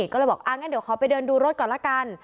ก็เลยบอกงั้นเดี๋ยวขอไปเดินดูรถก่อนละกัน